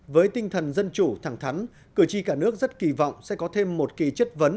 với tinh thần dân chủ thẳng thắn cử tri cả nước rất kỳ vọng sẽ có thêm một kỳ chất vấn